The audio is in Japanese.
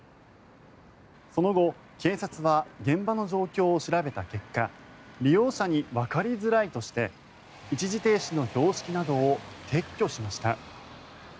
その後、警察は現場の状況を調べた結果利用者にわかりづらいとして一時停止の標識などを撤去しました。